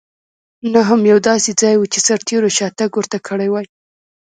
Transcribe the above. نه هم یو داسې ځای و چې سرتېرو شاتګ ورته کړی وای.